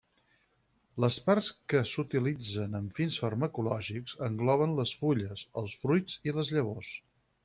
Les parts que s'utilitzen amb fins farmacològics engloben les fulles, els fruits i les llavors.